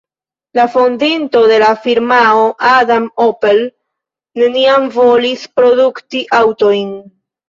La fondinto de la firmao, Adam Opel, neniam volis produkti aŭtojn.